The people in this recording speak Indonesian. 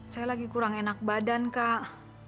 saya lagi kurang enak badan kak